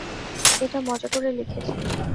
এটা মজা করে লিখেছি।